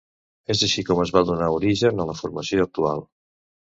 És així com es va donar origen a la formació actual.